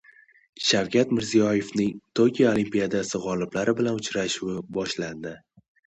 Shavkat Mirziyoyevning Tokio Olimpiadasi g‘oliblari bilan uchrashuvi boshlandi